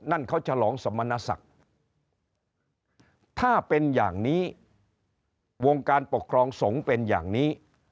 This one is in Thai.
นั่นเขาฉลองสมณศักดิ์ถ้าเป็นอย่างนี้วงการปกครองสงฆ์เป็นอย่างนี้